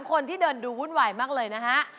คนที่เดินดูวุ่นวายมากเลยนะฮะ